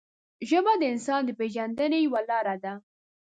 ژبه د انسان د پېژندنې یوه لاره ده